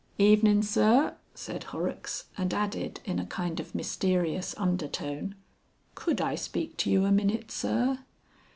"Evenin', Sir," said Horrocks, and added in a kind of mysterious undertone, "Could I speak to you a minute, Sir?"